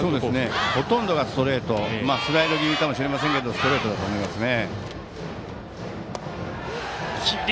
ほとんどがストレートスライド気味かもしれませんけどストレートだと思いますね。